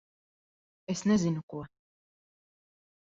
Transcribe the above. Es nezinu ko...